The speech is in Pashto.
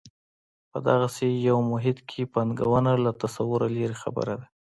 په دغسې یو محیط کې پانګونه له تصوره لرې خبره ده.